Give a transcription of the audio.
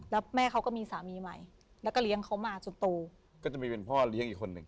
แล้วแม่เขาก็มีสามีใหม่แล้วก็เลี้ยงเขามาจนโตก็จะมีเป็นพ่อเลี้ยงอีกคนหนึ่ง